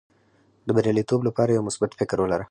د بریالیتوب لپاره یو مثبت فکر ولره.